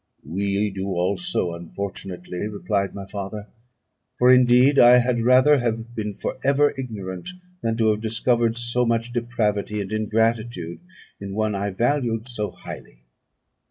"We do also, unfortunately," replied my father; "for indeed I had rather have been for ever ignorant than have discovered so much depravity and ingratitude in one I valued so highly."